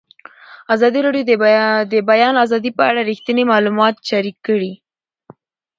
ازادي راډیو د د بیان آزادي په اړه رښتیني معلومات شریک کړي.